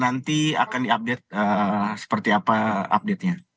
nanti akan diupdate seperti apa update nya